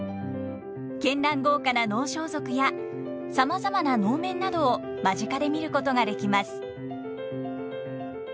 絢爛豪華な能装束やさまざまな能面などを間近で見ることができます。